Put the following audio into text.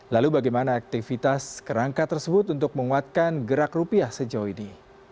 lalu bagaimana aktivitas kerangka tersebut untuk menguatkan gerak rupiah sejauh ini